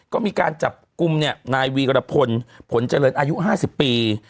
ก็มีการจับกลุ่มนายวีรพลผลเจริญอายุ๕๐ปี